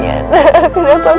kenapa kau pergi